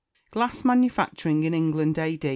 [GLASS MANUFACTURING IN ENGLAND A.D.